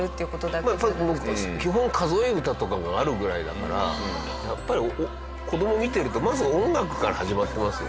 まあやっぱり基本数え歌とかがあるぐらいだからやっぱり子供見てるとまず音楽から始まってますよね